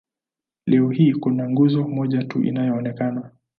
Leo hii kuna nguzo moja tu inayoonekana.